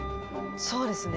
そうですね。